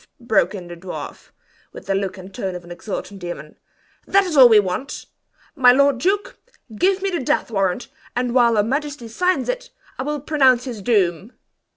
broke in the dwarf, with the look and tone of an exultant demon. "That is all we want! My lord duke, give me the death warrant, and while her majesty signs it, I will pronounce his doom!"